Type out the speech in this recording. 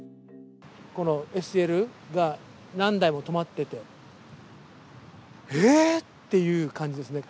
このＳＬが何台も止まってて、えー！っていう感じですね。